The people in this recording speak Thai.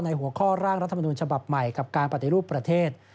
หัวข้อร่างรัฐมนุนฉบับใหม่กับการปฏิรูปประเทศ